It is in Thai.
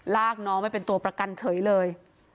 ลากน้องไปเป็นตัวประกันเฉยเลย